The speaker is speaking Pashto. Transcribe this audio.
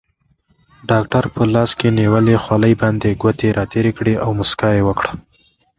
ډاکټر په لاس کې نیولې خولۍ باندې ګوتې راتېرې کړې او موسکا یې وکړه.